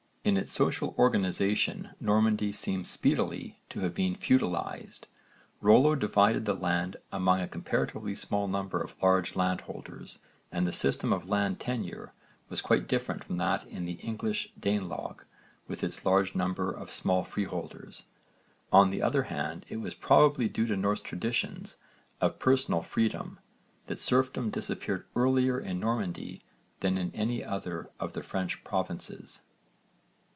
In its social organisation Normandy seems speedily to have been feudalised. Rollo divided the land among a comparatively small number of large landholders and the system of land tenure was quite different from that in the English Danelagh with its large number of small freeholders. On the other hand it was probably due to Norse traditions of personal freedom that serfdom disappeared earlier in Normandy than in any other of the French provinces.